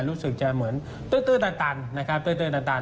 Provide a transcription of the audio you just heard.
รู้สึกจะเหมือนตื้อตื้อตันตันนะครับตื้อตื้อตันตัน